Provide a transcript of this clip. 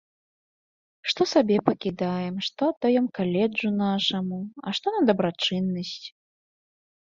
Што сабе пакідаем, што аддаём каледжу нашаму, а што на дабрачыннасць.